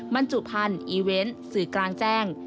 บรรจุภัณฑ์อีเวนต์สื่อกลางแจ้ง